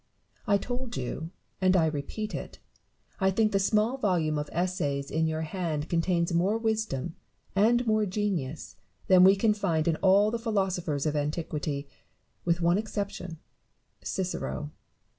I told you, and I repeat it, 1 think the small volume of Essays in your hand contains more wisdom and more genius than we can find in all the philosophers of antiquity ; with one exception, Cicero.